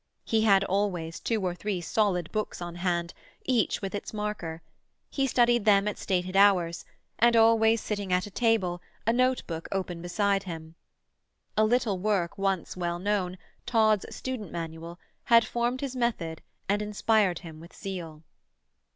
He had always two or three solid books on hand, each with its marker; he studied them at stated hours, and always sitting at a table, a notebook open beside him. A little work once well known, Todd's "Student's Manual," had formed his method and inspired him with zeal.